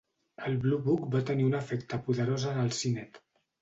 El Blue Book va tenir un efecte poderós en el Synod.